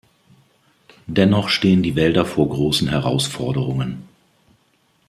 Dennoch stehen die Wälder vor großen Herausforderungen.